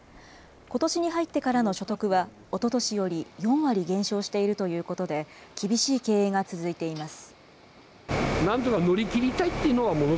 ことしに入ってからの所得は、おととしより４割減少しているということで、厳しい経営が続いています。